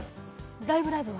「ライブ！